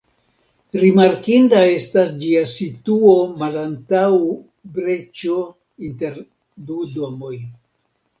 Rimarkinda estas ĝia situo malantaŭ breĉo inter du domoj.